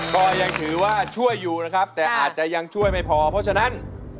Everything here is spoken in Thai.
ก็ยังถือว่าช่วยอยู่นะครับแต่อาจจะยังช่วยไม่พอเพราะฉะนั้น